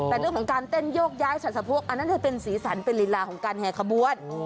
แต่เรื่องของการเต้นโยกย้ายสัตว์สะโพกอันนั้นเธอเป็นสีสันเป็นลีลาของการแห่ขบวน